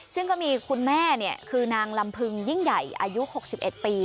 ซึ่งก็มีคุณแม่คือนางลำพึงยิ่งใหญ่อายุ๖๑ปี